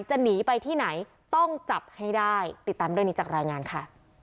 หนีไปที่ไหนต้องจับให้ได้ติดตามเรื่องนี้จากรายงานค่ะ